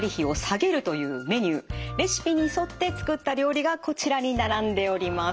レシピに沿って作った料理がこちらに並んでおります。